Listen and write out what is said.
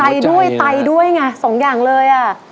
หัวใจด้วยไตด้วยไงสองอย่างเลย